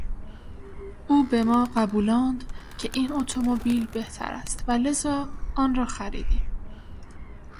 او به ما قبولاند که این اتومبیل بهتر است و لذا آنرا خریدیم.